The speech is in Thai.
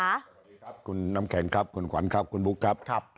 สวัสดีครับคุณน้ำแข็งครับคุณขวัญครับคุณบุ๊คครับ